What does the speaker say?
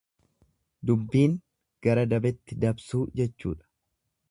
Dubbiin gara dabetti dabsuu jechuudha.